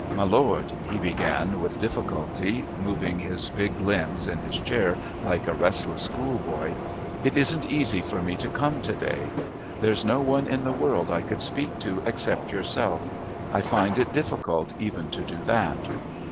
"My lord," he began with difficulty, moving his big limbs in his chair like a restless schoolboy, "it isn't easy for me to come to day. There's no one in the world I could speak to except yourself. I find it difficult even to do that."